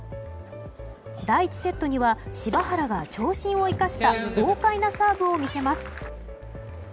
第１セットには柴原が長身を生かした豪快なサーブを見せます。